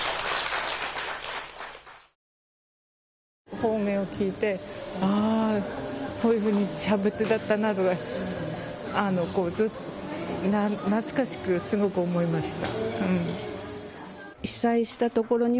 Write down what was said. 方言を聞いてこういうふうにしゃべっていたなって懐かしくすごく思いました。